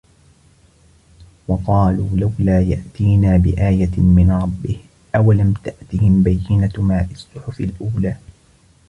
وقالوا لولا يأتينا بآية من ربه أولم تأتهم بينة ما في الصحف الأولى